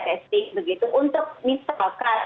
kesti begitu untuk misalkan